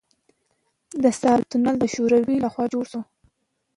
د سالنګ تونل د شوروي لخوا جوړ شو